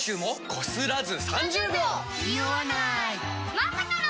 まさかの。